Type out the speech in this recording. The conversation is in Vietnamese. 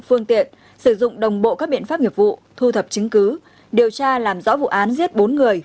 phương tiện sử dụng đồng bộ các biện pháp nghiệp vụ thu thập chứng cứ điều tra làm rõ vụ án giết bốn người